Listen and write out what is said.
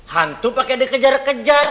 hantu pake dia kejar kejar